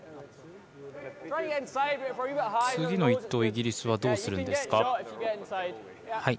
次の１投、イギリスはどうするんですか？